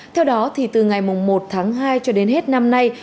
theo đó thì từ ngày một tháng hai cho đến hết năm nay